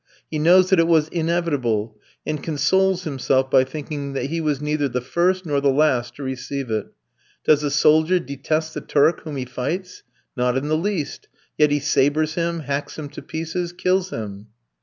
He knows that it was inevitable, and consoles himself by thinking that he was neither the first nor the last to receive it. Does the soldier detest the Turk whom he fights? Not in the least! yet he sabres him, hacks him to pieces, kills him.